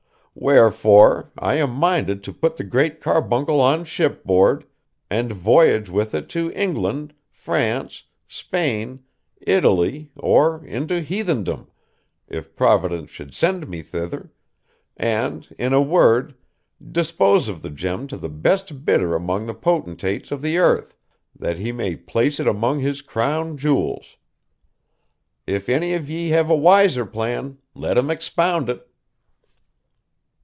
Wherefore, I am minded to put the Great Carbuncle on shipboard, and voyage with it to England, France, Spain, Italy, or into Heathendom, if Providence should send me thither, and, in a word, dispose of the gem to the best bidder among the potentates of the earth, that he may place it among his crown jewels. If any of ye have a wiser plan, let him expound it.